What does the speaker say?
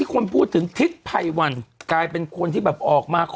ที่เป็นความเป็นคนใหม่